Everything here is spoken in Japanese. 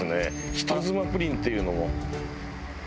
人妻プリンっていうのも。